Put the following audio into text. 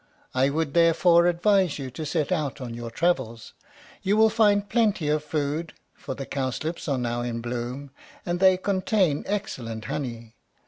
I would therefore advise you to set out on your travels; you will find plenty of food, for the cowslips are now in bloom, and they contain excellent honey.